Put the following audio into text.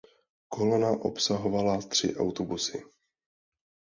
Kolona obsahovala tři autobusy.